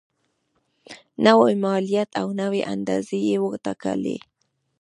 نوي مالیات او نوي اندازې یې وټاکلې.